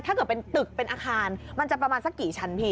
ถ้าเกิดเป็นตึกเป็นอาคารมันจะประมาณสักกี่ชั้นพี่